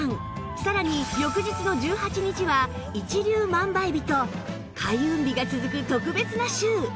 さらに翌日の１８日は一粒万倍日と開運日が続く特別な週